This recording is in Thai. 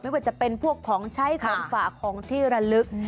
ว่าจะเป็นพวกของใช้ของฝากของที่ระลึก